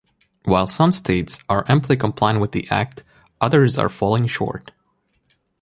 While some states are amply complying with the Act, others are falling short.